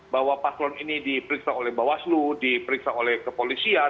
bahwa paslon ini diperiksa oleh bawaslu diperiksa oleh kepolisian